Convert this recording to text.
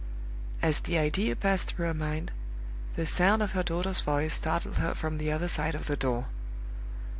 As the idea passed through her mind, the sound of her daughter's voice startled her from the other side of the door.